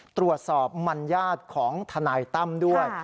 ตรวจสอบมัญญาติของทนายตั้มด้วย